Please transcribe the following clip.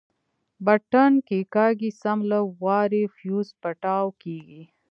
بټن کښېکاږي سم له وارې فيوز پټاو کېږي.